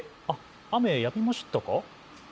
雨やみましたか？